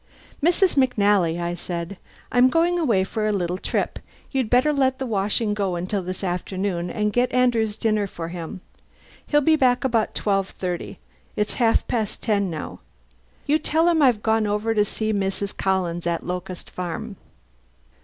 "Mrs. McNally," I said, "I'm going away for a little trip. You'd better let the washing go until this afternoon and get Andrew's dinner for him. He'll be back about twelve thirty. It's half past ten now. You tell him I've gone over to see Mrs. Collins at Locust Farm."